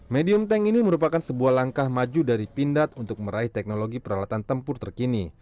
medium tank ini merupakan sebuah langkah maju dari pindad untuk meraih teknologi peralatan tempur terkini